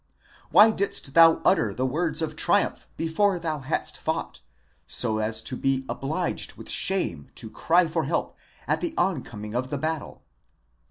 why didst thou utter the words of triumph before thou hadst fought, so as to be obliged with shame to cry for help at the on coming of the battle?